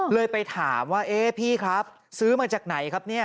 เลยไปถามว่าพี่ครับซื้อมาจากไหนครับ